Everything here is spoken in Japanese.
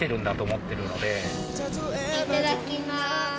いただきます。